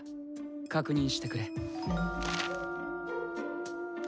確認してくれ。